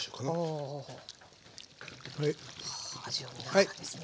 味を見ながらですね。